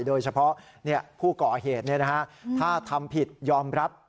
โดยเฉพาะผู้ก่อเหตุถ้าทำผิดยอมรับ